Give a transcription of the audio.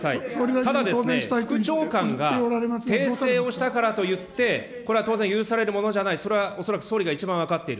ただ、副長官が訂正をしたからといって、これは当然許されるものじゃない、それは恐らく総理が一番分かっている。